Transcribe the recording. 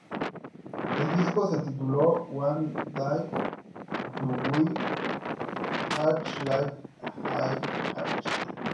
El disco se tituló "One Day You Will Ache Like I Ache"".